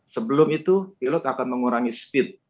sebelum itu pilot akan mengurangi speed